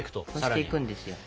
こしていくんですよ。